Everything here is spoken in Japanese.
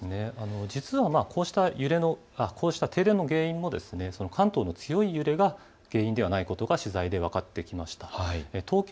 実はこうした停電の原因も関東の強い揺れが原因ではないことが取材で分かってきたんです。